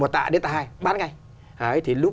một tạ đến tạ hai bán ngay thì lúc